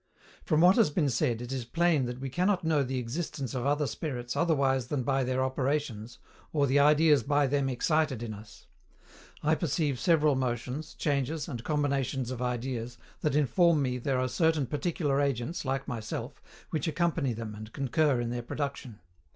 From what has been said, it is plain that we cannot know the existence of other spirits otherwise than by their operations, or the ideas by them excited in us. I perceive several motions, changes, and combinations of ideas, that inform me there are certain particular agents, like myself, which accompany them and concur in their production.